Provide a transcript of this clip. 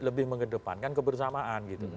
lebih mengedepankan kebersamaan gitu